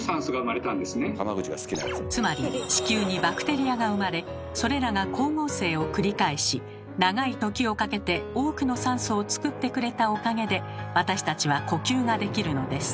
つまり地球にバクテリアが生まれそれらが光合成を繰り返し長い時をかけて多くの酸素を作ってくれたおかげで私たちは呼吸ができるのです。